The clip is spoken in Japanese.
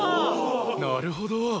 なるほど！